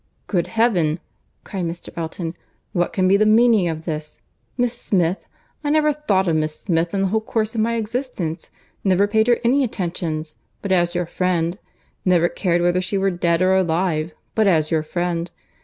"Good Heaven!" cried Mr. Elton, "what can be the meaning of this?—Miss Smith!—I never thought of Miss Smith in the whole course of my existence—never paid her any attentions, but as your friend: never cared whether she were dead or alive, but as your friend.